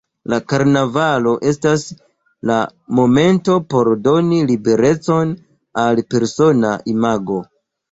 La Karnavalo estas la momento por doni liberecon al persona imago.